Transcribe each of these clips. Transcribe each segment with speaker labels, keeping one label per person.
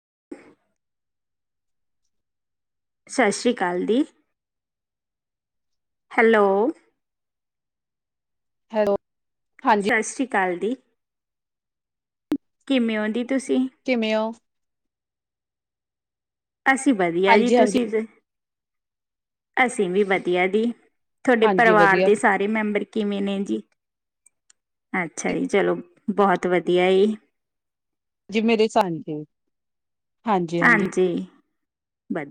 Speaker 1: [unintelligible] ਸਤਿ ਸ੍ਰੀ ਅਕਾਲ ਦੀ ਹੈਲੋ
Speaker 2: ਹੈਲੋ ਹਾਂਜੀ
Speaker 1: ਸਤਿ ਸ਼੍ਰੀ ਅਕਾਲ ਕਾਲ ਦੀ, [unintelligible] ਕਿਵੇਂ ਉਹਦੀ
Speaker 2: ਕਿਵੇਂ ਹੋ
Speaker 1: ਅਸੀਂ ਵਧੀਆ ਜੀ
Speaker 2: ਹਾਂਜੀ ਹਾਂਜੀ
Speaker 1: ਤੁਸੀਂ ਤੇ [unintelligible] ਅਸੀਂ ਵੀ ਵਧੀਆ ਦੀ ਤੁਹਾਡੇ
Speaker 2: ਹਾਂਜੀ
Speaker 1: ਪਰਿਵਾਰ
Speaker 2: ਵਧੀਆ
Speaker 1: ਦੇ ਸਾਰੇ ਮੈਂਬਰ ਕਿਵੇਂ ਨੇ ਜੀ ਅੱਛਾ ਜੀ ਚਲੋ। [unintelligible] ਬਹੁਤ ਵਧੀਆ ਜੀ
Speaker 2: ਜੀ ਮੇਰੇ ਸਾਨਕੇ [unintelligible]
Speaker 1: ਹਾਂਜੀ, [unintelligible]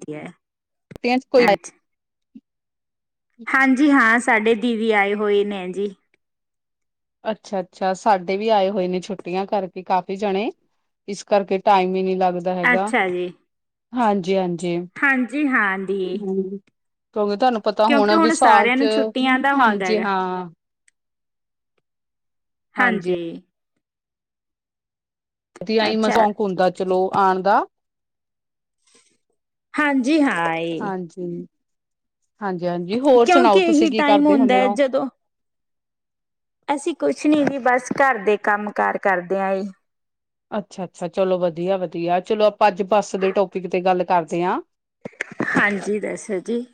Speaker 1: ਵਧੀਆ
Speaker 2: ਤੇਜ ਕੋਈ [unintelligible]
Speaker 1: ਅੱਛਾ ਹਾਂਜੀ ਹਾਂ ਸਾਡੇ ਦੀਵੀ ਆਏ ਹੋਏ ਨੇ ਜੀ
Speaker 2: ਅੱਛਾ-ਅੱਛਾ ਸਾਡੇ ਵੀ ਆਏ ਹੋਏ ਨੇ ਛੁੱਟੀਆਂ ਕਰਕੇ ਕਾਫੀ ਜਾਣੇ ਇਸ ਕਰਕੇ ਟਾਈਮ ਵੀ ਨੀ ਲੱਗਦਾ।
Speaker 1: ਅੱਛਾ ਜੀ।
Speaker 2: ਹਾਂਜੀ-ਹਾਂਜੀ।
Speaker 1: ਹਾਂਜੀ ਹਾਂ ਦੀ। [unintelligible]
Speaker 2: ਕਿਉਂਕਿ ਤੁਹਾਨੂੰ ਪਤਾ
Speaker 1: ਕਿਉਂਕਿ
Speaker 2: ਹੁਣ ਵੀ ਸਾਲ
Speaker 1: ਸਾਰਿਆਂ
Speaker 2: ਚ
Speaker 1: ਨੂੰ ਛੁੱਟੀਆਂ ਦਾ ਹੁੰਦਾ
Speaker 2: ਹਾਂਜੀ
Speaker 1: ਹੈਗਾ
Speaker 2: ਹਾਂ।
Speaker 1: ਹਾਂਜੀ। [unintelligible]
Speaker 2: ਆ ਮੈਂ [inaudible]
Speaker 1: ਅੱਛਾ
Speaker 2: ਸ਼ੌਕ ਹੁੰਦਾ ਚਲੋ ਆਉਣ ਦਾ
Speaker 1: ਹਾਂਜੀ। ਜੀ ਹਾਂ।
Speaker 2: ਹਾਂਜੀ-ਹਾਂਜੀ ਹੋਰ
Speaker 1: ਕਿਉਂਕਿ
Speaker 2: ਸੁਣਾਓ ਤੁਸੀਂ
Speaker 1: ਇਹੀ
Speaker 2: ਕੀ
Speaker 1: ਟਾਈਮ
Speaker 2: ਕਰਦੇ
Speaker 1: ਹੁੰਦਾ
Speaker 2: ਹੁੰਦੇ
Speaker 1: ਹੈ
Speaker 2: ਹੋ?
Speaker 1: ਜਦੋਂ ਅਸੀਂ ਕੁਛ ਨਹੀਂ। ਵੀ ਬਸ ਘਰ ਦੇ ਕੰਮ ਕਾਰ ਕਰਦੇ ਹਾਂ ਏ।
Speaker 2: ਅੱਛਾ-ਅੱਛਾ ਚਲੋ ਵਧੀਆ-ਵਧੀਆ ਚਲੋ। ਪੰਜੱਜ ਪਾੱਸ ਦੇ ਟੋਪਿਕ ਤੇ ਗੱਲ [unintelligible] ਕਰਦੇ ਹਾਂ।
Speaker 1: ਹਾਂਜੀ ਦੱਸੋ ਜੀ।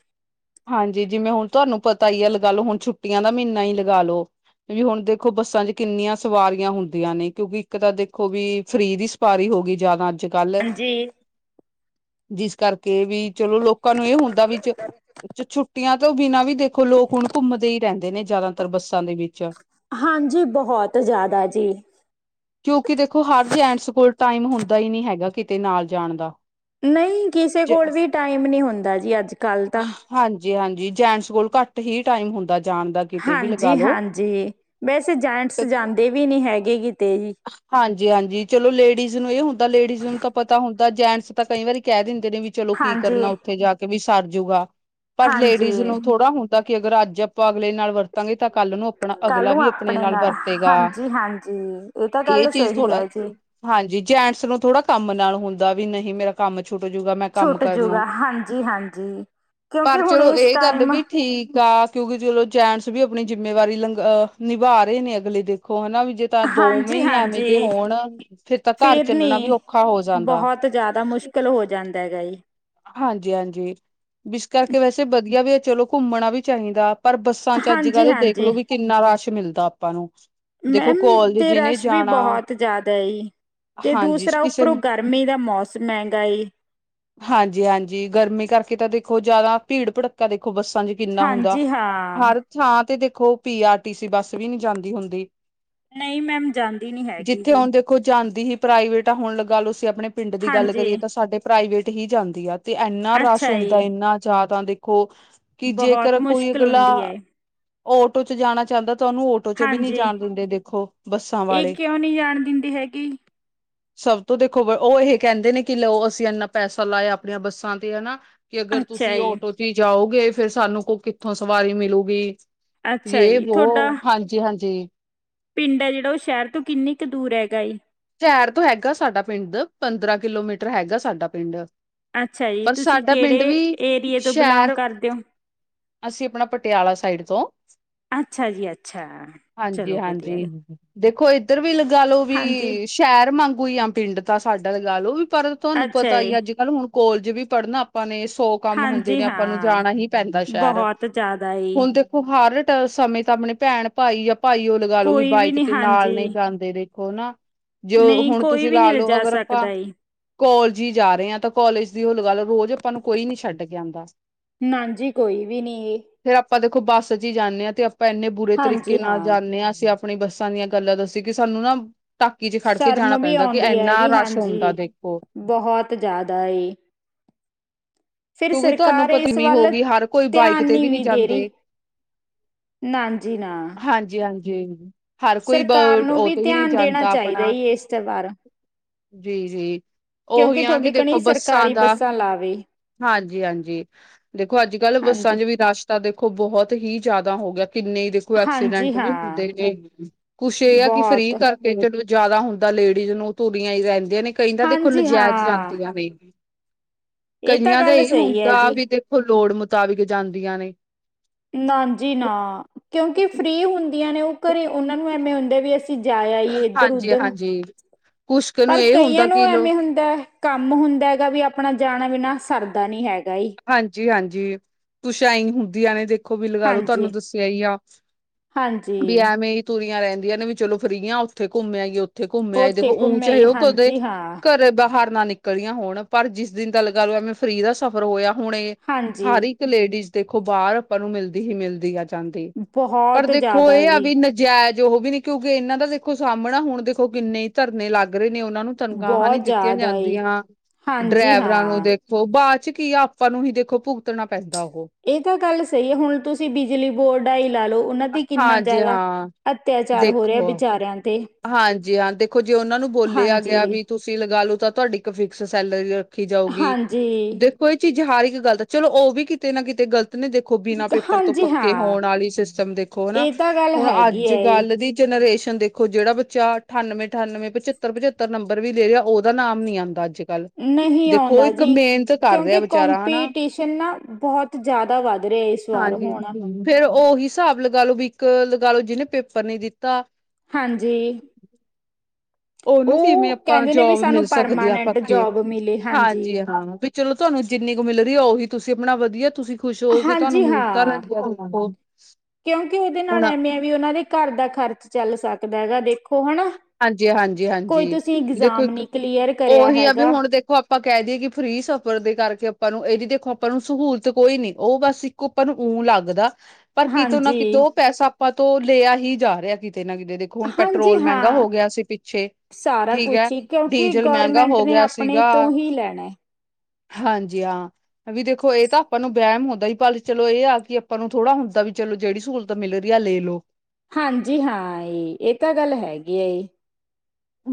Speaker 2: ਹਾਂਜੀ ਜਿਵੇਂ ਹੁਣ ਤੁਹਾਨੂੰ ਪਤਾ ਹੀ ਆ ਲਗਾ ਲਓ ਹੁਣ ਛੁੱਟੀਆਂ ਦਾ ਮਹੀਨਾ ਹੀ ਲਗਾ ਲਓ ਵੀ ਹੁਣ ਦੇਖੋ ਬੱਸਾਂ ਚ ਕਿੰਨੀਆਂ ਸਵਾਰੀਆਂ ਹੁੰਦੀਆਂ ਨੇ। ਕਿਉਂਕਿ ਇੱਕ ਤਾਂ ਦੇਖੋ ਵੀ ਫਰੀ ਦੀ ਸਵਾਰੀ ਹੋ ਗਈ ਜਿਆਦਾ ਅੱਜ। ਕੱਲ੍ਹ
Speaker 1: ਹਾਂਜੀ।
Speaker 2: ਜਿਸ ਕਰਕੇ ਵੀ ਚਲੋ ਲੋਕਾਂ ਨੂੰ ਇਹ ਹੁੰਦਾ ਵੀ ਛੁੱਟੀਆਂ ਤੋਂ ਉਹ ਬਿਨਾਂ ਵੀ ਦੇਖ ਦੇਖੋ ਲੋਕ ਹੁਣ ਘੁੰਮਦੇ ਹੀ ਰਹਿੰਦੇ ਨੇ ਜ਼ਿਆਦਾਤਰ ਬੱਸਾਂ ਦੇ ਵਿੱਚ
Speaker 1: ਹਾਂਜੀ ਬਹੁਤ ਜ਼ਿਆਦਾ ਜੀ।
Speaker 2: ਕਿਉਂਕਿ ਦੇਖੋ ਹਰ ਜ ਐਂ ਸਕੂਲ ਟਾਈਮ ਹੁੰਦਾ ਹੀ ਨਹੀ ਹੈਗਾ ਕਿਤੇ ਨਾਲ ਜਾਣ ਦਾ।
Speaker 1: ਨਹੀਂ ਕਿਸੇ ਕੋਲ ਵੀ ਟਾਈਮ ਨਹੀਂ ਹੁੰਦਾ ਜੀ ਅੱਜ ਕੱਲ
Speaker 2: ਹਾਂਜੀ-ਹਾਂਜੀ। ਜੀ ਜੈਂਟਸ ਕੋਲ ਘੱਟ ਹੀ ਟਾਈਮ ਹੁੰਦਾ ਜੀ।
Speaker 1: ਹਾਂਜੀ-ਹਾਂਜੀ ਵੈਸੇ ਜੈਟਸ ਜਾਂਦੇ ਵੀ ਨਹੀ ਹੈਗੇ ਕਿਤੇ ਵੀ।
Speaker 2: ਜੀ ਹਾਂਜੀ ਚਲੋ ਲੇਡੀਜ਼ ਨੂੰ ਇਹ ਹੁੰਦਾ ਲੇਡੀਜਸ ਨੂੰ ਤਾਂ ਪਤਾ ਹੁੰਦਾ ਜੈਂਟਸ ਤਾਂ ਕਈ ਵਾਰੀ ਕਹਿ ਦਿੰਦੇ ਨੇ ਵੀ ਚਲੋ ਕੀ ਕਰਨਾ ਉੱਥੇ ਜਾ ਕੇ ਵੀ। ਸਰ ਜੁ ਗਾ। ਪਰ ਲੇਡੀਜ਼
Speaker 1: ਹਾਂਜੀ-ਹਾਂਜੀ
Speaker 2: ਨੂੰ ਥੋੜਾ ਹੁਣ ਕਿ ਅਗਰ ਅੱਜ ਆਪਾਂ ਅਗਲੇ ਨਾਲ ਵਰਤਾਂਗੇ ਤਾਂ ਕੱਲ ਨੂੰ ਆਪਣਾ
Speaker 1: ਕੱਲ
Speaker 2: ਅਗਲਾ
Speaker 1: ਨੂੰ
Speaker 2: ਵੀ ਆਪਣੇ ਨਾਲ ਵਰਤੇਗਾ
Speaker 1: ਹਾਂਜੀ-ਹਾਂਜੀ ਤਾਂ
Speaker 2: ਇਹ
Speaker 1: ਗੱਲ
Speaker 2: ਚੀਜ਼
Speaker 1: ਸਹੀ
Speaker 2: ਥੋੜਾ
Speaker 1: ਹੈ ਜੀ।
Speaker 2: ਹਾਂਜੀ ਜੈਂਟਸ ਨੂੰ ਥੋੜਾ ਕੰਮ ਨਾਲ ਹੁੰਦਾ ਵੀ ਨਹੀਂ ਮੇਰਾ ਕੰਮ ਛੁੱਟ ਜੂਗਾ ਮੈਂ ਕੰਮ
Speaker 1: ਛੁੱਟ
Speaker 2: ਕਰਨਾ
Speaker 1: ਜੂਗਾ ਹਾਂਜੀ-ਹਾਂਜੀ ਕਿਉਂਕਿ
Speaker 2: ਪਰ
Speaker 1: ਹੁਣ
Speaker 2: ਚਲੋ
Speaker 1: ਇਸ
Speaker 2: ਇਹ ਗੱਲ
Speaker 1: ਟਾਈਮ
Speaker 2: ਵੀ ਠੀਕ ਕਿਉਂਕਿ ਚਲੋ ਜੈਂਟਸ ਵੀ ਆਪਣੀ ਜਿੰਮੇਵਾਰੀ ਲੰਗ ਨਿਭਾ ਰਹੇ ਨੇ ਅਗਲੇ ਦੇਖੋ ਦੇਖੋ ਹਨਾ ਵੀ ਜੇ ਤਾਂ ਦੋਵੇਂ ਐਵੇਂ ਦੇ
Speaker 1: ਹਾਂਜੀ-ਹਾਂਜੀ
Speaker 2: ਹੋਣ ਫੇਿਰ ਤਾਂ ਘਰ
Speaker 1: ਫੇਰ
Speaker 2: ਚੱਲਣਾ ਵੀ
Speaker 1: ਨੀ
Speaker 2: ਔਖਾ ਹੋ ਜਾਂਦਾ
Speaker 1: ਬਹੁਤ ਜ਼ਿਆਦਾ ਮੁਸ਼ਕਿਲ ਹੋ ਜਾਂਦਾ ਹੈਗਾ ਜੀ।
Speaker 2: ਹਾਂਜੀ-ਹਾਂਜੀ ਜਿਸ ਕਰਕੇ ਵੈਸੇ ਵਧੀਆ ਵੀ ਚਲੋ ਘੁੰਮਣਾ ਵੀ ਚਾਹੀਦਾ ਪਰ ਬੱਸਾਂ ਚ ਅੱਜ ਕੱਲ
Speaker 1: ਹਾਂਜੀ-ਹਾਂਜੀ
Speaker 2: ਦੇਖਲੋ ਵੀ ਕਿੰਨਾ ਰਸ਼ ਮਿਲਦਾ ਆਪਾਂ ਨੂੰ ਦੇਖੋ
Speaker 1: ਮੈਮ
Speaker 2: ਕੋਲਜ
Speaker 1: ਤੇ
Speaker 2: ਜਿਹਨੇ
Speaker 1: ਰਸ਼ ਵੀ
Speaker 2: ਜਾਣਾ
Speaker 1: ਬਹੁਤ ਜ਼ਿਆਦਾ ਏ ਤੇ
Speaker 2: ਹਾਂਜੀ
Speaker 1: ਦੂਸਰਾ
Speaker 2: ਕਿਸੇ
Speaker 1: ਉੱਪਰੋਂ
Speaker 2: ਨੇ
Speaker 1: ਗਰਮੀ ਦਾ ਮੌਸਮ ਮਹਿੰਗਾ ਏ
Speaker 2: ਹਾਂਜੀ ਹਾਂਜੀ ਗਰਮੀ ਕਰਕੇ ਤਾਂ ਦੇਖੋ ਜ਼ਿਆਦਾ ਭੀੜ ਭੜੱਕਾ ਦੇਖੋ ਦੇਖੋ ਬੱਸਾਂ ਚ ਕਿੰਨਾ ਹੁੰਦਾ
Speaker 1: ਹਾਂਜੀ ਹਾਂ
Speaker 2: ਹਰ ਥਾਂ ਤੇ ਦੇਖੋ ਦੇਖੋ ਪੀ ਆਰ ਟੀ ਸੀ ਬੱਸ ਵੀ ਨਹੀਂ ਜਾਂਦੀ ਹੁੰਦੀ
Speaker 1: ਨਹੀਂ ਮੈਮ ਜਾਂਦੀ ਨੀ ਹੈਗੀ ਜੀ
Speaker 2: ਦੀ ਹੀ ਪ੍ਰਾਈਵੇਟ ਆ ਹੁਣ ਲਗਾਲੋ ਆਪਣੇ ਪਿੰਡ ਦੀ ਗੱਲ
Speaker 1: ਹਾਂਜੀ
Speaker 2: ਕਰੀਏ ਤਾਂ ਸਾਡੇ ਪ੍ਰਾਈਵੇਟ ਹੀ ਜਾਂਦੀ ਆ ਤੇ ਇੰਨਾ ਰਸ਼
Speaker 1: ਅੱਛਾ
Speaker 2: ਹੁੰ ਦਾ
Speaker 1: ਜੀ
Speaker 2: ਜਿਆਦਾ ਦੇਖੋ ਕਿ
Speaker 1: ਬਹੁਤ
Speaker 2: ਜੇਕਰ ਕੋਈ
Speaker 1: ਮੁਸ਼ਕਿਲ
Speaker 2: ਅਗਲਾ
Speaker 1: ਹੁੰਦੀ ਹੈ।
Speaker 2: ਆਟੋ ਚ ਜਾਣਾ ਚਾਹੁੰਦਾ ਤੁਹਾਨੂੰ ਔਟੋ ਚ ਵੀ ਨੀ
Speaker 1: ਹਾਂਜੀ
Speaker 2: ਜਾਣ ਦਿੰਦੇ ਦੇਖੋ ਬੱਸਾਂ
Speaker 1: ਇਹ
Speaker 2: ਵਾਲੇ
Speaker 1: ਕਿਉਂ ਨਹੀਂ ਜਾਣ ਦਿੰਦੀ ਹੈਗੀ
Speaker 2: ਸਭ ਤੋਂ ਦੇਖੋ ਉਹ ਇਹ ਕਹਿੰਦੇ ਨੇ ਕਿ ਲਓ ਅਸੀਂ ਇੰਨਾ ਪੈਸਾ ਲਾਇਆ ਆਪਣੀਆਂ ਬੱਸਾਂ ਤੇ ਹਨਾ ਕਿ ਅਗਰ
Speaker 1: ਅੱਛਾ
Speaker 2: ਤੁਸੀਂ
Speaker 1: ਜੀ।
Speaker 2: ਔਟੋ ਤੇ ਹੀ ਜਾਓ ਗਏ ਫਿਰ ਸਾਨੂੰ ਕੋ ਕਿੱਥੋਂ ਸਵਾਰੀ ਮਿਲੂਗੀ
Speaker 1: ਅੱਛਾ
Speaker 2: ਜੇ
Speaker 1: ਜੀ
Speaker 2: ਬੋ
Speaker 1: ਤੁਹਾਡਾ
Speaker 2: ਹਾਂਜੀ-ਹਾਂਜੀ
Speaker 1: ਪਿੰਡ ਹੈ ਜਿਹੜਾ ਉਹ ਸ਼ਹਿਰ ਤੋਂ ਕਿੰਨੀ ਕੁ ਦੂਰ ਹੈਗਾ
Speaker 2: ਸ਼ਹਿਰ ਤੋਂ ਹੈਗਾ ਸਾਡਾ ਪਿੰਡ ਪੰਦਰਾਂ ਕਿਲੋਮੀਟਰ ਹੈਗਾ ਸਾਡਾ ਪਿੰਡ
Speaker 1: ਅੱਛਾ ਜੀ
Speaker 2: ਪਰ
Speaker 1: ਤੁਸੀਂ
Speaker 2: ਸਾਡਾ ਪਿੰਡ
Speaker 1: ਕਿਹੜੇ
Speaker 2: ਵੀ
Speaker 1: ਏਰੀਏ ਤੋਂ ਬਿਲੋਂਗ
Speaker 2: ਸ਼ਹਿਰ
Speaker 1: ਕਰਦੇ ਹੋ।
Speaker 2: ਅਸੀਂ ਆਪਣਾ ਪਟਿਆਲਾ ਸਾਈਡ ਤੋਂ
Speaker 1: ਅੱਛਾ ਜੀ ਅੱਛਾ ਚਲੋ ਵਧੀਆ
Speaker 2: ਹਾਂਜੀ-ਹਾਂਜੀ
Speaker 1: ਏ।
Speaker 2: ਦੇਖੋ ਕੋਈ ਇੱਧਰ ਵੀ ਲੱ ਗਾ ਲਓ ਵੀ
Speaker 1: ਹਾਂਜੀ
Speaker 2: ਸ਼ਹਿਰ ਮਾਂਗੂੰ ਈ ਆ ਪਿੰਡ ਤਾਂ ਸਾਡਾ ਲਗਾ ਲਓ, ਪਰ ਤੁਹਾਨੂੰ
Speaker 1: ਅੱਛਾ
Speaker 2: ਪਤਾ
Speaker 1: ਏ
Speaker 2: ਈ ਅੱਜ ਕੱਲ ਹੁਣ ਕੋਲਜ ਵੀ ਪੜ੍ਹਨਾ ਆਪਾਂ ਨੇ ਸੌ ਕੰਮ ਹੁੰਦੇ
Speaker 1: ਹਾਂਜੀ
Speaker 2: ਨੇ ਆਪਾਂ ਨੂੰ
Speaker 1: ਹਾਂ
Speaker 2: ਜਾਣਾ ਹੀ ਪੈਂਦਾ ਸ਼ਹਿਰ
Speaker 1: ਬਹੁਤ ਜ਼ਿਆਦਾ ਈ
Speaker 2: ਹੁਣ ਦੇਖੋ, ਹਰ ਸਮੇਂ ਤਾਂ ਆਪਣੇ ਭੈਣ ਭਾਈ ਆਪ ਈਓ ਲਗਾ ਲੋ ਵੀ
Speaker 1: ਕੋਈ
Speaker 2: ਬਾਈਕ
Speaker 1: ਨੀ
Speaker 2: ਤੇ ਨਾਲ
Speaker 1: ਹਾਂਜੀ
Speaker 2: ਨੀ ਜਾਂਦੇ ਹੋ ਨਾ, ਜੇ
Speaker 1: ਨਹੀਂ
Speaker 2: ਹੁਣ
Speaker 1: ਕੋਈ
Speaker 2: ਤੁਸੀਂ
Speaker 1: ਵੀ
Speaker 2: ਲਾ
Speaker 1: ਨੀ
Speaker 2: ਲੋ
Speaker 1: ਲਿਜਾ
Speaker 2: ਅਗਰ ਆਪਾਂ
Speaker 1: ਸਕਦਾ ਈ
Speaker 2: ਕੋਲਜ ਹੀ ਜਾ ਰਹੇ ਆ ਤਾਂ ਕੋਲਜ ਦੀ ਔ ਲਗਾ ਲੋ, ਰੋਜ਼ ਆਪਾਂ ਨੂੰ ਕੋਈ ਨੀ ਛੱਡ ਕੇ ਆਂਦਾ।
Speaker 1: ਨਾਜੀ ਕੋਈ ਵੀ ਨੀ,
Speaker 2: ਖ਼ੇ ਬੱਸ ਚ ਹੀ ਜਾਂਨੇ ਆ ਤੇ ਆ ਐਨੇ ਬੁਰੇ ਤਰੀਕੇ
Speaker 1: ਹਾਂਜੀ
Speaker 2: ਨਾਲ
Speaker 1: ਹਾਂ
Speaker 2: ਜਾਣੇ ਆ ਅਸੀਂ ਆਪ ਆਪਣੀ ਬੱਸਾਂ ਦੀਆਂ ਗੱਲਾਂ ਦੱਸੀ ਕਿ ਸਾਨੂੰ ਨਾ ਟਾਕੀ ਚ ਖੜ ਕੇ
Speaker 1: ਸ਼ਰਮ
Speaker 2: ਜਾਣਾ
Speaker 1: ਵੀ
Speaker 2: ਪੈਂਦਾ ਕਿ
Speaker 1: ਆਉਂਦੀ
Speaker 2: ਇੰਨਾ
Speaker 1: ਹੈਗੀ
Speaker 2: ਰਸ਼ ਹੁੰਦਾ
Speaker 1: ਹਾਂਜੀ
Speaker 2: ਦੇਖੋ
Speaker 1: ਬਹੁਤ ਜ਼ਿਆਦਾ ਜੀ
Speaker 2: ਕਿਉਂਕਿ ਤੁਹਾਨੂੰ ਪਤਾ [unintelligible] ਹੋ ਗਈ ਹਰ ਕੋਈ ਬਾਈਕ
Speaker 1: ਧਿਆਨ
Speaker 2: ਤੇ ਵੀ ਨੀ
Speaker 1: ਦੇ ਰਹੀ
Speaker 2: ਜਾਂਦੇ
Speaker 1: ਨਾ ਜੀ ਨਾ
Speaker 2: ਹਾਂਜੀ-ਹਾਂਜੀ, ਜੀ
Speaker 1: ਸਰਕਾਰ ਨੂੰ ਵੀ ਧਿਆਨ ਦੇਣਾ ਚਾਹੀਦਾ,
Speaker 2: ਆਪਣਾ
Speaker 1: ਇਸ ਦੇ ਬਾਰ
Speaker 2: ਜੀ ਜੀ
Speaker 1: ਕਿਉਂਕਿ
Speaker 2: ਉਹੀ ਆ ਕਿ
Speaker 1: ਤੁਹਾਡੀ ਕਲੀ
Speaker 2: ਦੇਖੋ
Speaker 1: ਸਰਕਾਰੀ
Speaker 2: ਦਾ
Speaker 1: ਬੱਸਾਂ ਲਾਵੇ।
Speaker 2: ਹਾਂਜੀ-ਹਾਂਜੀ, ਦੇਖੋ ਅੱਜ ਕੱਲ ਬੱਸਾਂ
Speaker 1: ਹਾਂਜੀ
Speaker 2: ਚ ਵੀ ਰਸ ਤਾਂ ਦੇਖੋ ਬਹੁਤ ਹੀ ਜ਼ਿਆਦਾ ਹੋ ਗਿਆ। ਕਿੰਨੇ ਹੀ ਦੇਖੋ
Speaker 1: ਹਾਂਜੀ
Speaker 2: ਐਕਸੀਡੈਂਟ ਵੀ
Speaker 1: ਹਾਂ
Speaker 2: ਹੁੰਦੇ ਨੇ ਕੁੱਛ ਇਹ ਆ ਕਿ ਫ੍ਰੀ
Speaker 1: ਬਹੁਤ
Speaker 2: ਕਰਕੇ ਚ ਜ਼ਿਆਦਾ ਹੁੰਦਾ ਲੇਡੀਜ਼ ਨੂੰ ਤੂਰੀਆਂ ਹੀ ਰਹਦੀ ਦਿਆ ਨੇ ਕਹਿੰਦਾ ਦੇਖੋ
Speaker 1: ਹਾਂਜੀ
Speaker 2: ਨਜਾਇਜ਼
Speaker 1: ਹਾਂ
Speaker 2: ਜਾਂਦੀਆਂ ਨੇ
Speaker 1: ਇਹ ਤਾਂ
Speaker 2: ਕਈਆਂ ਦਾ
Speaker 1: ਗੱਲ
Speaker 2: ਹੀ
Speaker 1: ਸਹੀ ਹੈ
Speaker 2: ਹੁੰਦਾ
Speaker 1: ਜੀ
Speaker 2: ਵੀ ਦੇਖੋ। ਲੋੜ ਮੁਤਾਬਿਕ ਜਾਂਦੀਆਂ ਨੇ
Speaker 1: ਨਾਜੀ ਨਾ ਕਿਉਂਕਿ ਫ੍ਰਰੀ ਹੁੰ ਆਂ ਨੇ ਉਹ ਘਰੇ ਉਹਨਾਂ ਨੂੰ ਐਵੇਂ [unintelligible] ਅਸੀਂ ਜਾਇਆ ਐ ਇੱਧਰ ਉਧਰ
Speaker 2: ਹਾਂਜੀ-ਹਾਂਜੀ ਕੁਛ ਕੁ ਨੂੰ
Speaker 1: ਪਰ
Speaker 2: ਇਹ
Speaker 1: ਕਈਆਂ
Speaker 2: ਹੁੰਦਾ
Speaker 1: ਨੂੰ
Speaker 2: ਕਿ ਲੋ
Speaker 1: ਐਵੇਂ ਹੁੰਦਾ ਕੰਮ ਹੁੰਦਾ ਹੈਗਾ ਵੀ ਆਪਣਾ ਜਾਣਾ ਬਿਨਾਂ ਸਰਦਾ ਨੀ ਹੈਗਾ। ਜੀ
Speaker 2: ਹਾਂਜੀ-ਹਾਂਜੀ, ਕੁਛ ਐਈ [unintelligible] ਖੋ ਵੀ ਲਗਾ ਲੋ ਤੁਹਾਨੂੰ
Speaker 1: ਹਾਂਜੀ
Speaker 2: ਦੱਸਿਆ ਹੀ ਆ। [inaudible]
Speaker 1: ਹਾਂਜੀ।
Speaker 2: ਦੀਆਂ ਰੈੰਦੀਆਂ ਨੇ ਵੀ ਚਲੋ ਫਰੀ ਆ ਉੱਥੇ ਘੁੰਮ ਆਈਏ ਉੱਥ ਉੱਥੇ ਘੁੰਮ ਆਏ
Speaker 1: ਉੱਥੇ
Speaker 2: ਦੇਖੋ ਊਹ
Speaker 1: ਘੁੰਮੇ
Speaker 2: ਚਾਹੇ
Speaker 1: ਜੀ
Speaker 2: ਓਹ ਕਦੇ
Speaker 1: ਹਾਂਜੀ ਹਾਂ
Speaker 2: ਘਰੇ ਬਾ ਹਾਰਨਾ ਨਿਕਲੀਆਂ ਹੋਣ, ਪਰ ਜਿਸ ਦਿਨ ਦਾ ਲੱਗਾ ਲੋ ਐਵੇਂ ਫਰੀ ਦਾ ਸਫ਼ਰ ਹੋਇਆ ਹੁਣੇ, ਹਰ
Speaker 1: ਹਾਂਜੀ
Speaker 2: ਇੱਕ ਲੇਡੀਜ ਦੇਖੋ ਬਾਰ ਅਪਾਂ ਨੂੰ ਮਿਲਦੀ ਹੀ ਮਿਲਦੀ ਆ। ਚਾੰਦੀ ਪਰ
Speaker 1: ਬਹੁਤ
Speaker 2: ਦੇਖੋ
Speaker 1: ਜ਼ਿਆਦਾ
Speaker 2: ਏਹ ਆ
Speaker 1: ਜੀ
Speaker 2: ਵੀ ਨਜੈਜ਼ ਜੇ ਹੋ ਵੀ ਨੀ ਕਿਉਂਕਿ ਇਨ੍ਹਾਂ ਦਾ ਦੇਖੋ ਸਾਮਣਾ ਹੁਣ ਦੇਖੋ ਕਿੰਨੇ ਈ ਧਰਨੇ ਲੱਗ ਰੇ ਨੇ ਔਨ ਨਾ ਨੂੰ ਤਨਖਾਹਾਂ ਨੀ
Speaker 1: ਬਹੁਤ
Speaker 2: ਦਿੱਤੀਆਂ
Speaker 1: ਜ਼ਿਆਦਾ
Speaker 2: ਜਾਂਦੀ
Speaker 1: ਜੀ
Speaker 2: ਹਾਂ।
Speaker 1: ਹਾਂਜੀ
Speaker 2: ਡਰੈਵਰਾਂ ਨੂੰ
Speaker 1: ਹਾਂ
Speaker 2: ਦੇਖੋ ਬਾਅ ਚ ਕੀ ਆਪ ਸਾਨੂੰ ਹੀ ਦੇਖੋ ਭੁਗਤਣਾ ਪੈਂਦਾ ਐ।
Speaker 1: ਏ ਤਾਂ ਗੱਲ ਸਹੀ ਏ, ਹੁਣ ਤੁਸੀਂ ਬਿਜਲੀ ਬੋਰਡ ਦਾਈ ਲਾ ਲੋ, ਉਨਾਂ ਤੇ ਕਿੰਨਾ
Speaker 2: ਹਾਂਜੀ
Speaker 1: ਜਿਆਦਾ
Speaker 2: ਹਾਂ
Speaker 1: ਅਤਿਆਚਾਰ ਹੋ ਰਿਹਾ ਐ
Speaker 2: ਦੇਖੋ
Speaker 1: ਬਿਚਾਰਿਆਂ ਤੇ
Speaker 2: ਹਾਂਜੀ ਹਾਂ ਦੇਖੋ, ਜੇ ਔਨਾਂ ਨੂੰ ਬੋਲਿਆ ਗਿਆ
Speaker 1: ਹਾਂਜੀ
Speaker 2: ਵੀ ਤੁਸੀਂ ਲਗਾਲੋ ਤਾਂ ਤੁਹਾਡੀ ਇੱਕ ਫਿਕਸ ਸੈਲਰੀ ਰੱਖੀ ਜਾਊਗੀ,
Speaker 1: ਹਾਂਜੀ
Speaker 2: ਦੇਖੋ ਏ ਚੀਜ਼ ਜੇ ਹਰ ਇੱਕ ਗੱਲਤ ਚਲੋ ਔ ਵੀ ਕਿਤੇ ਨਾ ਕਿਤੇ ਗਲ ਤ ਨੇ ਦੇਖੋ ਬਿਨਾਂ ਪੇਪਰ ਤੋਂ
Speaker 1: ਹਾਂਜੀ
Speaker 2: ਪੱਕੇ
Speaker 1: ਹਾਂ
Speaker 2: ਹੋਣ ਆਲੀ ਸਿਸਟਮ ਦੇਖੋ, ਹਨਾ।
Speaker 1: ਇਹ ਤਾਂ ਗੱਲ
Speaker 2: ਹੁਣ
Speaker 1: ਹੈਗੀ ਹੈ ਇਹ
Speaker 2: ਅੱਜ-ਗੱਲ ਦੀ ਜਨਰੇਸ਼ ਕੈੰਦੇ। ਦੇਖੋ ਜੇੜਾ ਬੱਚਾ ਅਠਾਨਵੇਂ ਅਠਾਨਵੇਂ ਪਚੱਤਰ ਪਚੱਤਰ ਨੰਬਰ ਵੀ ਲੇ ਰਿਹਾ, ਔਦਾ ਨਾਮ ਨੀ ਆਂਦਾ ਅੱਜ ਕੱਲ
Speaker 1: ਨਹੀਂ
Speaker 2: ਦੇਖੋ ਉਹ
Speaker 1: ਔੰਦਾ
Speaker 2: ਇੱਕ
Speaker 1: ਜੀ
Speaker 2: ਮਿਹਨਤ ਕਰ
Speaker 1: ਕਿਓਂਕਿ
Speaker 2: ਰਿਹਾ ਵਿਚਾਰਾ ਹਨਾ
Speaker 1: ਕੋੰਪੀਟੀਸ਼ਨ ਨਾ ਬਹੁਤ ਜਿਆਦਾ ਵੱਧ ਰਿਹਾ ਇਸ ਵਾਰ
Speaker 2: ਹਾਂਜੀ
Speaker 1: ਹੁਣ।
Speaker 2: ਫੇਰ ਉਹੀ ਹਿਸਾਬ ਲਗਾ ਲੋ ਵੀ ਇੱਕ ਲਗਾ ਲੋ ਜਿਨੇ ਪੇਪਰ ਨੀ ਦਿੱਤਾ।
Speaker 1: ਹਾਂਜੀ।
Speaker 2: ਔਨੂੰ ਸੀਮੇਂ
Speaker 1: ਉਹ
Speaker 2: ਆਪਾਂ
Speaker 1: ਕਹਿੰਦੇ ਨੇ ਵੀ
Speaker 2: ਜੋਬ ਮਿਲ
Speaker 1: ਸਾਨੂੰ
Speaker 2: ਸਕਦੀ ਆ
Speaker 1: ਪਰਮਾਨੈਂਟ
Speaker 2: ਪੱਕੀ,
Speaker 1: ਜੋਬ ਮਿਲੇ
Speaker 2: ਹਾਂਜੀ ਹਾਂ ਵੀ ਚਲੋ ਤੁਹਾਨੂੰ ਜਿੰਨੀ ਕੁ ਮਿਲ ਰੀ ਆ ਓਹੀ ਤੁਸੀਂ ਅਪਣਾ ਵਧੀਆ ਤੁਸੀਂ ਖੁਸ਼ ਹੋ ਕੇ ਤੁਹਾਨੂੰ
Speaker 1: ਹਾਂਜੀ
Speaker 2: ਮਿਲ ਤਾਂ
Speaker 1: ਹਾਂ,
Speaker 2: ਰਹੀ ਆ ਦੇਖੋ
Speaker 1: ਕਿਓਂਕਿ ਉਦੇ
Speaker 2: ਹੁਣ
Speaker 1: ਨਾਲ ਐਂਮੈਂ ਐ ਵੀ ਉਨ੍ਹਾਂ ਦੇ ਘਰ ਦਾ ਖਰਚ ਚੱਲ ਸਕ ਦਾ ਹੈਗਾ ਦੇਖੋ। ਹਨਾ ਕੋਈ
Speaker 2: ਹਾਂਜੀ-ਹਾਂਜੀ-ਹਾਂਜੀ,
Speaker 1: ਤੁਸੀਂ
Speaker 2: ਬੀ ਦੇਖੋ
Speaker 1: ਇਗਜ਼ਾਮ
Speaker 2: ਇੱਕ
Speaker 1: ਨਹੀਂ ਕਲੀਅਰ ਕਰਿਆ
Speaker 2: ਔਹੀ ਆ ਵੀ
Speaker 1: ਹੈਗਾ
Speaker 2: ਹੁਣ ਦੇਖੋ ਆਪਾਂ ਕੇ ਦੀਏ ਕਿ ਫ੍ਰੀ ਸਫ਼ਰ ਦੇ ਕਰਕੇ ਆਪਾਂ ਨੂੰ ਏਦੀ ਦੇਖ ਖੋ ਅਪਾ ਨੂੰ ਸੂਹੂਲਤ ਕੋਈ ਨੀ ਔ ਬਸ ਇੱਕੋ ਆਪਾ ਨੂੰ ਇਕ ਓ ਲੱਗਦਾ। ਪਰ ਕਿਤੋਂ ਨਾ
Speaker 1: ਹਾਂਜੀ
Speaker 2: ਕਿਤੋ ਔ ਪੈਸਾ ਆਪਾਂ ਤੋਂ ਲਿਆ ਹੀ ਜਾ ਰਿਹਾ, ਕਿ ਕਿਤੇ ਨਾ ਕਿਦੇ ਦੇਖੋ ਹੁਣ ਪੈਟਰੋਲ ਮੈਂਗ
Speaker 1: ਆ, ਸਾਰਾ ਕੁਛ ਹੀ ਕਿਓਂਕਿ
Speaker 2: ਡੀਜ਼ਲ ਮਹਿੰਗਾ
Speaker 1: ਗੋਰਮੈਂਟ
Speaker 2: ਹੋ
Speaker 1: ਨੇ
Speaker 2: ਗਿਆ
Speaker 1: ਆਪਣੇ
Speaker 2: ਸੀਗਾ
Speaker 1: ਤੋਂ ਹੀ ਲੈਣਾ।
Speaker 2: ਹਾਂਜੀ ਹਾਂ ਵੀ ਦੇਖੋ ਏਹ ਤਾਂ ਅਪਾਂ ਨੂੰ ਵੈਮ ਹੁੰਦਾ ਹੀ, ਪਰ ਚਲੋ ਇਹ ਆ ਕਿ ਅਪਾਂ ਨੂੰ ਥੋੜ੍ਹਾ ਹੁੰਦਾ ਵੀ ਚਲੋ ਜੇੜੀ ਸਹੂਲਤ ਮਿਲ ਰੀ ਆ ਲੈ ਲੋ।
Speaker 1: ਹਾਂਜੀ ਹਾਂ ਏ ਏਹ ਤਾਂ ਗੱਲ ਹੈਗੀ ਹੈ ਏ।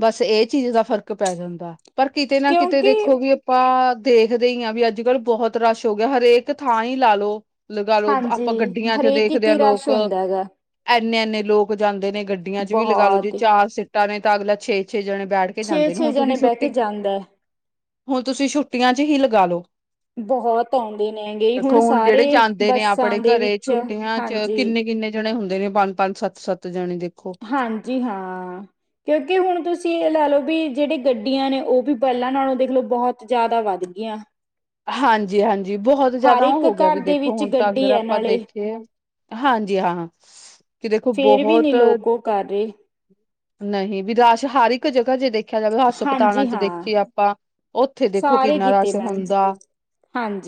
Speaker 2: ਬਸ ਏਹ ਚੀਜ਼ ਦਾ ਫ਼ਰਕ ਪੈ ਜਾਂਦਾ। ਪਰ ਕਿਤੇ ਨਾ ਕਿਤੇ
Speaker 1: ਕਿਉਂਕਿ
Speaker 2: ਦੇਖੋ ਵੀ ਆਪਾਂ ਦੇਖਦੇ ਹੀ ਆ ਵੀ ਅੱਜ ਕੱਲ ਬਹੁਤ ਰਸ਼ ਹੋ ਗਿਆ, ਹਰੇਕ ਥਾਂ ਹੀ ਲਾ ਲਓ। ਲਗਾ ਲਓ
Speaker 1: ਹਾਂਜੀ
Speaker 2: ਆਪਾਂ ਗੱਡੀਆਂ 'ਚ
Speaker 1: ਹਰੇਕ
Speaker 2: ਦੇਖਦੇ ਹਾਂ,
Speaker 1: ਇਤੀ ਰਸ਼
Speaker 2: ਲੋਕ
Speaker 1: ਹੁੰਦਾ ਹੈਗਾ
Speaker 2: ਏਥ ਇੰਨੇ-ਇੰਨੇ ਲੋਕ ਜਾਂਦੇ ਨੇ। ਗੱਡੀਆਂ 'ਚ ਵੀ ਲਗਾ ਲੋ ਜੇ
Speaker 1: ਬਹੁਤ
Speaker 2: ਚਾਰ ਸੀਟਾਂ ਨੇ। ਤੇ ਅੱਗਲਾ ਛੇ ਛੇ ਜਣੇ ਬੈਠ ਕੇ
Speaker 1: ਛੇ
Speaker 2: ਜਾਂਦੇ ਨੇ,
Speaker 1: ਛੇ
Speaker 2: ਹੁਣ ਤਦੀ
Speaker 1: ਜਣੇ ਬਹਿ ਕੇ
Speaker 2: ਛੁੱਟੀ
Speaker 1: ਜਾਂਦਾ
Speaker 2: ਹੁਣ ਤੁਸੀਂ ਛੁੱਟੀਆਂ 'ਚ ਹੀ ਲਗਾ ਲੋ।
Speaker 1: ਬਹੁਤ ਆਦੇ ਨੇ ਗੇਏ ਹੁਣ
Speaker 2: ਦੇਖੋ
Speaker 1: ਸਾਰੇ
Speaker 2: ਜਿਹੜੇ ਜਾਂਦੇ ਨੇ
Speaker 1: ਬੱਸਾਂ
Speaker 2: ਆਪਣੇ
Speaker 1: ਦੇ
Speaker 2: ਘਰੇ
Speaker 1: ਵਿੱਚ
Speaker 2: ਛੁੱਟੀਆਂ ਚ
Speaker 1: ਹਾਂਜੀ।
Speaker 2: ਕਿੰਨੇ-ਕਿੰਨੇ ਜਣੇ ਹੁੰਦੇ ਨੇ ਪੰਜ ਸੱਤ-ਸੱਤ ਜਾਣੇ ਦੇ
Speaker 1: ਹਾਂਜੀ ਹਾਂ। ਕਿਉਂਕਿ ਹੁਣ ਤੁਸੀਂ ਇਹ ਲੈ ਲਓ, ਵੀ ਜਿਹੜੇ ਗੱਡੀਆਂ ਨੇ ਉਹ ਵੀ ਪਹਿਲਾਂ ਨਾਲੋਂ ਦੇਖ ਲੋ ਬਹੁਤ ਜ਼ਿਆਦਾ ਵੱਧ ਗਈਆਂ।
Speaker 2: ਹਾਂਜੀ-ਹਾਂਜੀ। ਜੀ ਬਹੁਤ
Speaker 1: ਹਰ
Speaker 2: ਜਿਆਦਾ ਉਹ
Speaker 1: ਇੱਕ
Speaker 2: ਹੋ ਗਿਆ
Speaker 1: ਘਰ
Speaker 2: ਵੀ
Speaker 1: ਦੇ
Speaker 2: ਦੇਖੋ
Speaker 1: ਵਿੱਚ
Speaker 2: ਹੁਣ ਤਾਂ ਅਗਰ
Speaker 1: ਗੱਡੀ ਹੈ
Speaker 2: ਆਪਾਂ
Speaker 1: ਨਾਲੇ
Speaker 2: ਦੇਖੀਏ, ਹਾਂਜੀ ਹਾਂ ਕਿ ਦੇਖੋ
Speaker 1: ਫੇਰ ਵੀ ਨੀ
Speaker 2: ਬਹੁਤ
Speaker 1: ਲੋਕ ਉਹ ਕਰ ਰਹੇ
Speaker 2: ਨਹੀਂ ਵੀ ਰਸ਼ ਹਰ ਇੱਕ ਜਗ੍ਹਾ ਜੇ ਦੇਖ ਦੇਖਿਆ ਜਾਵੇ ਹਸਪਤਾਲਾਂ
Speaker 1: ਹਾਂਜੀ
Speaker 2: 'ਚ
Speaker 1: ਹਾਂ
Speaker 2: ਦੇਖੀਏ ਆਪਾਂ, ਉੱਥੇ ਦੇਖੋ
Speaker 1: ਸਾਰੇ
Speaker 2: ਕਿੰਨਾ
Speaker 1: ਕੀਤੇ
Speaker 2: ਰਸ਼
Speaker 1: ਮੈਮ
Speaker 2: ਹੁੰਦਾ।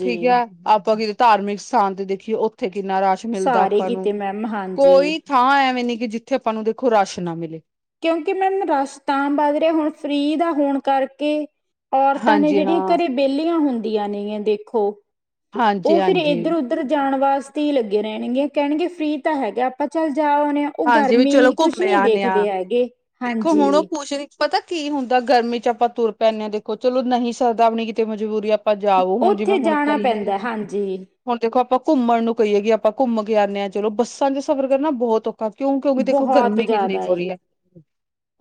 Speaker 2: ਠੀਕ ਹੈ, ਆਪਾਂ ਕਿਤੇ ਧਾਰਮਿਕ ਸਥਾਨ ਤੇ ਦੇਖੀਏ ਉ ਉੱਥੇ ਕਿੰਨਾ ਰਸ਼ ਮਿਲਦਾ
Speaker 1: ਸਾਰੇ
Speaker 2: ਆਪਾਂ ਨੂੰ,
Speaker 1: ਕੀਤੇ ਮੈਮ ਹਾਂਜੀ
Speaker 2: ਕੋਈ ਥਾਂ ਐਵੇਂ ਨੀ ਕਿ ਜਿੱਥੇ ਆਪਾਂ ਨੂੰ ਕੋਈ ਰਸ਼ ਨਾ ਮਿਲੇ।
Speaker 1: ਕਿਉਂਕਿ ਮੈਮ ਰਸ਼ ਤਾਂ ਵੱਧ ਰਿਹਾ ਹੁਣ, ਫ੍ਰਰੀ ਦਾ ਹੋਣ ਕਰਕੇ ਔਰਤਾਂ ਨੇ
Speaker 2: ਹਾਂਜੀ
Speaker 1: ਜਿਹੜੀਆਂ
Speaker 2: ਹਾਂ
Speaker 1: ਘਰੇ ਵਿਹਲੀਆਂ ਹੁੰਦੀਆਂ ਨੇ ਗਿਆਂ ਦੇਖੋ। ਉਹ ਫਿਰ
Speaker 2: ਹਾਂਜੀ-ਹਾਂਜੀ
Speaker 1: ਇੱਧਰ-ਉਧਰ ਜਾਣ ਵਾਸਤੇ ਤ ਲੱਗੇ ਰਹਿਣਗੇ ਕਹਿਣਗੇ ਫ੍ਰਰੀ ਤਾਂ ਹੈਗਾ ਆਪਾਂ ਚੱਲ ਜਾ ਆਉਣੇ ਆਂ, ਉਹ
Speaker 2: ਹਾਂਜੀ ਵੀ ਚਲੋ
Speaker 1: ਗਰਮੀ ਕੁਛ
Speaker 2: ਘੁੰਮੇ
Speaker 1: ਨਹੀਂ
Speaker 2: ਆਨੇ ਆ।
Speaker 1: ਦੇਖਦੇ ਹੈਗੇ,
Speaker 2: ਦੇਖੋ ਹੁਣ ਉਹ
Speaker 1: ਹਾਂਜੀ।
Speaker 2: ਪੁੱਛ ਰਹੀ ਪਤਾ ਕੀ ਹੁੰਦਾ ਗਰਮੀ 'ਚ ਆਪਾਂ ਤੁਰ ਪੈਂਣੇ ਹਾਂ, ਦੇਖੋ ਚਲੋ ਨਹੀਂ ਸਰਦਾ ਆਪਣੀ ਕਿਤੇ ਮਜਬੂਰੀ ਆਪ ਤਾਂ ਜਾਵੋ ਹੁਣ ਜਿਵੇਂ
Speaker 1: ਉੱਥੇ
Speaker 2: ਹੁਣ
Speaker 1: ਜਾਣਾ
Speaker 2: ਕਈ ਹੈ,
Speaker 1: ਪੈਂਦਾ ਹਾਂਜੀ
Speaker 2: ਹੁਣ ਦੇਖੋ ਆਪਾਂ ਘੁੰਮਣ ਨੂੰ ਕਹੀਏ ਕਿ ਆਪਾਂ ਘੁੰਮ ਕੇ ਆਉਂਣੇ ਆਾ ਚਲੋ, ਬੱਸਾਂ ਚ ਸਫ਼ਰ ਕਰਨਾ ਬਹੁਤ ਔਖ ਕਿਉਂ ਕਿਉਂਕਿ ਦੇਖੋ
Speaker 1: ਬਹੁਤ
Speaker 2: ਗਰਮੀ ਕਿੰਨੀ
Speaker 1: ਜ਼ਿਆਦਾ
Speaker 2: ਹੋ
Speaker 1: ਏ
Speaker 2: ਰਹੀ ਹੈ।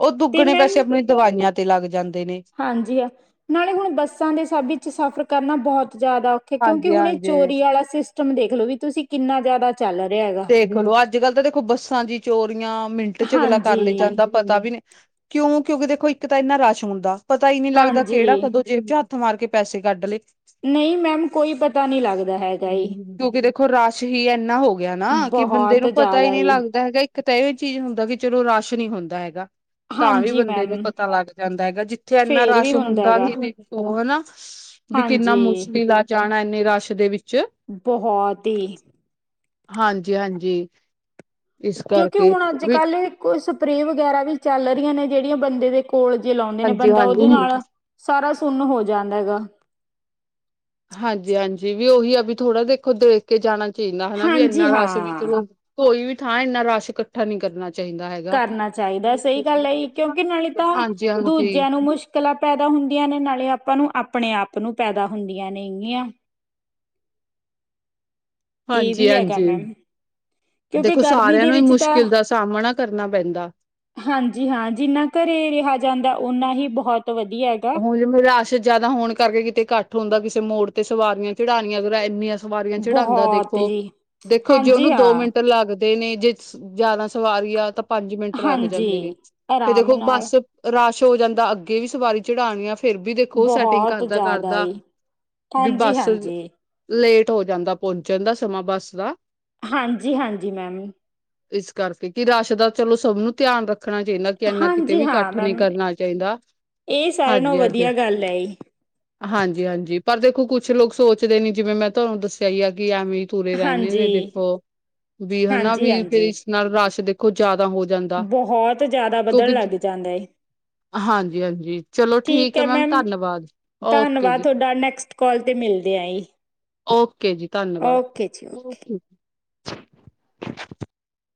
Speaker 2: ਉਹ
Speaker 1: ਤੇ
Speaker 2: ਦੁੱਗਣੇ
Speaker 1: ਮੈਮ
Speaker 2: ਪੈਸੇ ਆਪਣੀ ਦਵਾਈਆਂ ਤੇ ਤੇ ਲੱਗ ਜਾਂਨ।
Speaker 1: ਹਾਂਜੀ, ਆ ਨਾਲੇ ਹੁਣ ਬੱਸਾਂ ਦੇ ਸਭ ਵਿੱਚ ਸਫ਼ਰ ਕਰਨਾ ਬਹੁਤ ਜ਼ਿਆਦਾ ਔਖੇ ਕਿਉਂਕਿ ਹੁਣ ਇਹ
Speaker 2: ਹਾਂਜੀ-ਹਾਂਜੀ
Speaker 1: ਚੋਰੀ ਵਾਲਾ ਸਿਸਟਮ ਦੇਖ ਲੋ ਵੀ ਤੁਸੀਂ ਕਿੰਨਾ ਜ਼ਿਆਦਾ ਚੱਲ ਰਿਹਾ ਹੈਗਾ
Speaker 2: ਦੇਖਲੋ ਅੱਜ ਕੱਲ੍ਹ ਤਾਂ ਦੇਖੋ ਬੱਸਾਂ ਦੀ ਚੋਰੀਆਂ ਮਿੰਟ ਚ ਅਗਲਾ ਕਰ ਲੈ
Speaker 1: ਹਾਂਜੀ
Speaker 2: ਜਾਂਦਾ ਪਤਾ ਵੀ ਨਹੀਂ ਕਿਉਂ? ਕਿਉਂਕਿ ਦੇਖੋ ਇੱਕ ਤਾਂ ਇੰਨਾ ਰਸ਼ ਹੁੰਦਾ। ਪਤਾ ਹੀ ਨਹੀਂ ਲੱਗਦਾ ਕਿਹੜਾ
Speaker 1: ਹਾਂਜੀ
Speaker 2: ਕਦੋਂ ਜੇਬ ਮਾਰ ਕੇ ਪੈਸੇ ਕੱਢ ਲਏ।
Speaker 1: ਨਹੀਂ ਮੈਮ ਕੋਈ ਪਤਾ ਨ ਲੱਗਦਾ ਹੈਗਾ।
Speaker 2: ਏਨਾ ਕਿ ਬੰਦੇ
Speaker 1: ਬਹੁਤ
Speaker 2: ਨੂੰ ਪਤਾ ਹੀ
Speaker 1: ਜ਼ਿਆਦਾ
Speaker 2: ਨਹੀਂ
Speaker 1: ਜੀ
Speaker 2: ਲੱਗਦਾ ਹੈਗਾ। ਕਿ ਤਾਂ ਇਹ ਚੀਜ਼ ਹੁੰਦਾ ਕਿ ਚਲੋ ਰਾਸ਼ ਨਹੀਂ ਹੁੰਦਾ ਹੈਗਾ। ਤਾਂ ਵੀ
Speaker 1: ਹਾਂਜੀ
Speaker 2: ਬੰਦੇ ਨੂੰ
Speaker 1: ਮੈਮ
Speaker 2: ਪਤਾ ਲੱਗ ਜਾਂਦਾ ਹੈਗਾ ਜਿੱਥੇ ਇੰਨਾ
Speaker 1: ਫੇਰ
Speaker 2: ਰਸ਼
Speaker 1: ਵੀ
Speaker 2: ਹੁੰਦਾ
Speaker 1: ਹੈਗਾ
Speaker 2: ਵੀ ਉਹਨਾ ਵੀ ਕਿੰਨਾ
Speaker 1: ਹਾਂਜੀ
Speaker 2: ਮੁਸ਼ਕਿਲ ਆ ਜਾਣਾ। ਨਿ ਰਸ਼ ਦੇ ਵਿੱਚ
Speaker 1: ਬਹੁਤ ਹੀ।
Speaker 2: ਹਾਂਜੀ-ਹਾਂਜੀ।
Speaker 1: ਕਿਉਂਕਿ ਹੁਣ ਅੱਜ-ਕੱਲ ਕੋਈ ਸਪਰੇਅ ਵਗੈਰਾ ਵੀ ਚੱਲ ਰਹੀਆਂ ਨੇ। ਜਿਹੜੀਆਂ ਬੰਦੇ ਦੇ ਕੋਲ ਜੇ ਲਾਉਂਦੇ ਨੇ
Speaker 2: ਹਾਂਜੀ
Speaker 1: ਬੰਦਾ ਉਹਦੇ
Speaker 2: ਹਾਂਜੀ
Speaker 1: ਨਾਲ ਸਾਰਾ ਸੁੰਨ ਹੋ ਜਾਂਦਾ ਗਾ
Speaker 2: ਹਾਂਜੀ ਹਾਂਜੀ ਵੀ ਉਹੀ ਆ ਵੀ ਥੋੜਾ ਦੇਖੋ ਦੇਖ ਕੇ ਜਾਣਾ ਚਾਹੀਦਾ ਹਨਾ ਵੀ
Speaker 1: ਹਾਂਜੀ
Speaker 2: ਐਨਾ ਰਸ਼ ਵੀ
Speaker 1: ਹਾਂ
Speaker 2: ਚਲੋ ਕੋਈ ਵੀ ਥਾਂ ਇੰਨਾ ਰਸ਼ ਇਕੱਠਾ ਨੀ ਕਰਨਾ ਚਾਹੀਦਾ ਹੈਗਾ
Speaker 1: ਕਰਨਾ ਚਾਹੀਦਾ ਸਹੀ ਗੱਲ ਹੈ ਜੀ ਕਿਉਂਕਿ ਨਾਲੇ ਤਾਂ
Speaker 2: ਹਾਂਜੀ ਹਾਂਜੀ
Speaker 1: ਦੂਜਿਆਂ ਨੂੰ ਮੁਸ਼ਕਿਲਾਂ ਪੈਦਾ ਹੁੰਦੀਆਂ ਨੇ ਨਾਲੇ ਆਪਾਂ ਨੂੰ ਆਪਣੇ ਆਪ ਨੂੰ ਪੈਦਾ ਹੁੰਦੀਆਂ ਨੇਗੀਆਂ ਇਹ
Speaker 2: ਹਾਂਜੀ
Speaker 1: ਵੀ ਹੈਗਾ
Speaker 2: ਹਾਂਜੀ
Speaker 1: ਮੈਮ ਕਿਉਂਕਿ
Speaker 2: ਦੇਖੋ
Speaker 1: ਗਰਮੀ
Speaker 2: ਸਾਰਿਆਂ
Speaker 1: ਦੇ
Speaker 2: ਨੂੰ ਹੀ
Speaker 1: ਵਿੱਚ ਤਾਂ
Speaker 2: ਮੁਸ਼ਕਿਲ ਦਾ ਸਾਹਮਣਾ ਕਰਨਾ ਪੈਂਦਾ।
Speaker 1: ਹਾਂਜੀ ਹਾਂ ਜਿੰਨਾ ਘਰੇ ਰਿਹਾ ਜਾਂਦਾ ਓਨਾ ਹੀ ਬਹੁਤ ਵਧੀਆ ਹੈਗਾ
Speaker 2: ਹੁਣ ਜਿਵੇਂ ਰਸ਼ ਜਿਆਦਾ ਹੋਣ ਕਰਕੇ ਕਿਤੇ ਇਕੱਠ ਹੁੰਦਾ ਕਿਸੇ ਮੋੜ ਤੇ ਸਵਾਰੀਆਂ ਚੜਉਣੀਆਂ [unintelligible] ਇੰਨੀਆਂ ਸਵਾਰੀਆਂ ਚੜਾਂਦਾ
Speaker 1: ਬਹੁਤ
Speaker 2: ਦੇਖੋ
Speaker 1: ਜੀ
Speaker 2: ਦੇਖੋ ਜੇ
Speaker 1: ਹਾਂਜੀ
Speaker 2: ਉਹਨੂੰ ਦੋ
Speaker 1: ਹਾਂ
Speaker 2: ਮਿੰਟ ਲੱਗ ਦੇ ਨੇ ਜੇ ਜ਼ਿਆਦਾ ਸਵਾਰੀ ਆ ਤਾਂ ਪੰਜ ਮਿੰਟ ਲੱਗ ਜਾਂਦੇ ਨੇ
Speaker 1: ਹਾਂਜੀ
Speaker 2: ਫਿਰ
Speaker 1: ਆਰਾਮ
Speaker 2: ਦੇਖੋ
Speaker 1: ਨਾਲ
Speaker 2: ਬੱਸ ਰਸ਼ ਹੋ ਜਾਂਦਾ ਅੱਗੇ ਵੀ ਸਵਾਰੀ ਚੜ੍ਹਾਣੀ ਆਂ ਫਿਰ ਫੇਰ ਵੀ ਦੇਖੋ ਸੈਟਿੰਗ
Speaker 1: ਬਹੁਤ
Speaker 2: ਕਰਦਾ
Speaker 1: ਜ਼ਿਆਦਾ
Speaker 2: ਕਰਦਾ
Speaker 1: ਏ
Speaker 2: ਵੀ
Speaker 1: ਹਾਂਜੀ
Speaker 2: ਬੱਸ
Speaker 1: ਹਾਂਜੀ
Speaker 2: ਲੇਟ ਹੋ ਜਾਂਦਾ ਪਹੁੰਚਣ ਦਾ ਸਮਾਂ ਬੱਸ ਦਾ
Speaker 1: ਹਾਂਜੀ- ਹਾਂਜੀ ਮੈਮ
Speaker 2: ਇਸ ਕਰਕੇ ਕੀ ਰਸ਼ ਦਾ ਚਲੋ ਸਭ ਨੂੰ ਧਿਆਨ ਰੱਖ ਣਾ ਚਾਹੀਦਾ ਕਿ ਇੰਨਾ ਕਿਤੇ
Speaker 1: ਹਾਂਜੀ
Speaker 2: ਵੀ
Speaker 1: ਹਾਂ
Speaker 2: ਇਕੱਠ ਨਹੀ
Speaker 1: ਮੈਮ
Speaker 2: ਕਰਨਾ ਚਾਹੀਦਾ
Speaker 1: ਇਹ ਸਾਰਿਆਂ ਨਾਲ
Speaker 2: ਹਾਂਜੀ-ਹਾਂਜੀ
Speaker 1: ਵਧੀਆ ਗੱਲ ਐ ਜੀ
Speaker 2: ਜੀ ਪਰ ਦੇਖੋ ਕੁਛ ਲੋਕ ਸੋਚਦੇ ਨੀ ਜਿਵੇਂ ਮੈਂ ਤੁਹਾਨੂੰ ਦੱਸਿਆ ਹੀ ਹੈ। ਐਵੇਂ ਤੁਰੇ ਰਹਿੰਦੇ
Speaker 1: ਹਾਂਜੀ
Speaker 2: ਨੇ ਦੇਖੋ ਵੀ ਹਨਾ
Speaker 1: ਹਾਂਜੀ
Speaker 2: ਵੀ ਫੇਰ
Speaker 1: ਹਾਂਜੀ
Speaker 2: ਇਸ ਨਾਲ ਰਸ਼ ਦੇ ਖੋ ਜਿਆਦਾ
Speaker 1: ਬਹੁਤ ਜਿਆਦਾ ਵੱਧਣ ਲੱਗ ਜਾਂਦਾ ਏ
Speaker 2: ਹਾਂਜੀ-ਹਾਂਜੀ ਚਲੋ
Speaker 1: ਠੀਕ ਹੈ ਮੈਮ
Speaker 2: ਧੰਨਵਾਦ ਓਕੇ
Speaker 1: ਧੰਨਵਾਦ
Speaker 2: ਜੀ
Speaker 1: ਤੁਹਾਡਾ ਨੈਕਸਟ ਕਾਲ ਤੇ ਮਿਲਦੇ ਆ ਜੀ
Speaker 2: ਓਕੇ ਜੀ ਧੰਨਵਾਦ
Speaker 1: ਓਕੇ ਜੀ ਓਕੇ